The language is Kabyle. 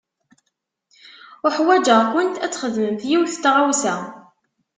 Uḥwaǧeɣ-kent ad txedmemt yiwet n tɣawsa.